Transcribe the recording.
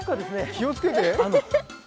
気をつけて！